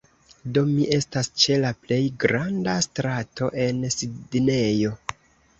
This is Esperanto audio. Do, mi estas ĉe la plej granda strato en Sidnejo